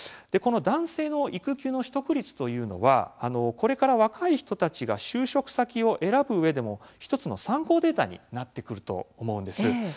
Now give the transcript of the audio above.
この男性の育休取得率というのはこれから若い人たちが就職先を選ぶうえでも１つの参考データになってくると思うんです。